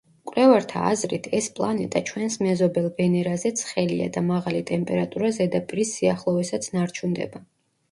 მკვლევართა აზრით, ეს პლანეტა ჩვენს მეზობელ ვენერაზე ცხელია და მაღალი ტემპერატურა ზედაპირის სიახლოვესაც ნარჩუნდება.